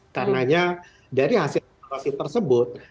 karena dari hasil evaluasi tersebut